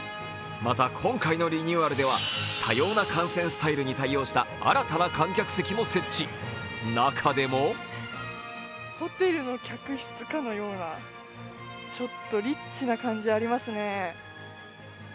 また、今回のリニューアルでは多様な観戦スタイルに対応した新たな観客席を設置、中でもホテルの客室化のようなちょっとリッチな感じ、ありますね